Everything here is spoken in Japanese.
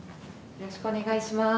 よろしくお願いします。